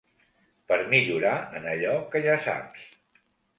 Per millorar en allò que ja saps.